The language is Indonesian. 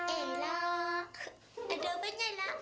emang ada obatnya la